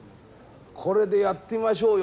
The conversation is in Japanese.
これでやってみましょうよ。